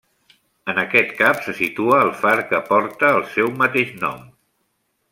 En aquest cap se situa el far que porta el seu mateix nom.